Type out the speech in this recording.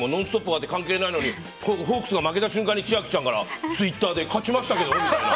終わって関係ないのにホークスが負けた瞬間に千秋ちゃんからツイッターで勝ちましたけどって。